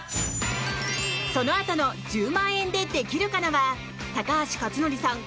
そのあとの「１０万円でできるかな」は高橋克典さん